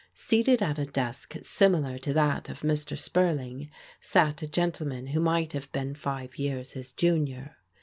Seated at a desk similar to that of Mr. Spurling sat a gentleman who might have been five years his junior.